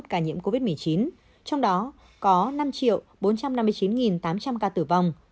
hai trăm chín mươi bốn trăm ba mươi chín bảy trăm chín mươi một ca nhiễm covid một mươi chín trong đó có năm bốn trăm năm mươi chín tám trăm linh ca tử vong